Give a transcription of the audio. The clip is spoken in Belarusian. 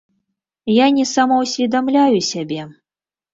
Я не самаўсведамляю сябе.